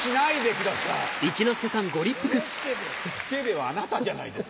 スケベはあなたじゃないですか。